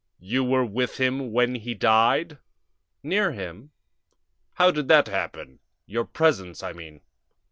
"You were with him when he died?" "Near him." "How did that happen your presence, I mean?"